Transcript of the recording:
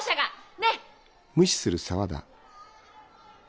ねっ。